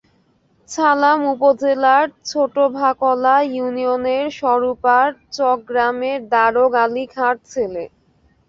ছালাম উপজেলার ছোটভাকলা ইউনিয়নের স্বরুপার চক গ্রামের দারোগ আলী খাঁর ছেলে।